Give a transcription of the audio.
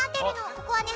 ここはね